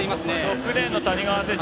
６レーンの谷川選手